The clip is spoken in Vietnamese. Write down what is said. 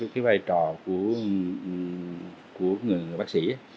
cái vai trò của người bác sĩ á